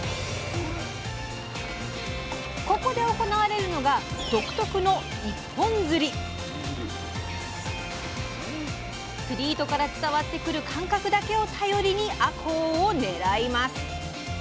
ここで行われるのが独特の釣り糸から伝わってくる感覚だけを頼りにあこうを狙います。